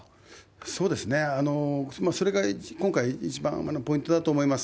そうですね、それが今回、一番ポイントだと思います。